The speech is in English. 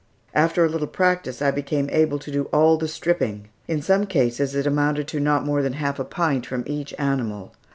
After a little practice I became able to do all the "stripping." In some cases it amounted to not more than half a pint from each animal.